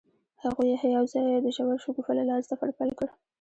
هغوی یوځای د ژور شګوفه له لارې سفر پیل کړ.